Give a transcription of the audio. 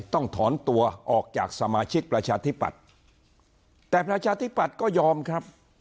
ต้องถอนตัวออกจากสมาชิกประชาธิปัตย์แต่ประชาธิปัตย์ก็ยอมครับ